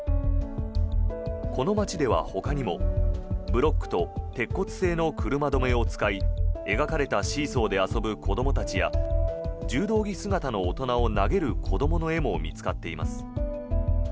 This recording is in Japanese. この街ではほかにもブロックと鉄骨製の車止めを使い描かれたシーソーで遊ぶ子どもたちや柔道着姿の大人を投げる子どもの絵も見つかっています。